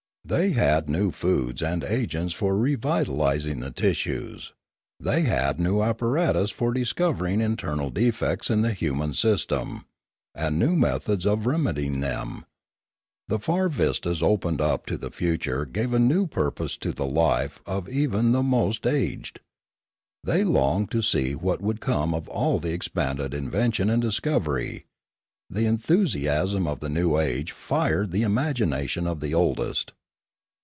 They had new foods and agents for revitalising An Accident 345 the tissues; they had new apparatus for discovering in ternal defects in the human system, and new methods of remedying them; the far vistas opened up into the future gave a new purpose to the life even of the most aged ; they longed to see what would come of all the expanded invention and discovery; the enthusiasm of the new age fired the imagination of the oldest.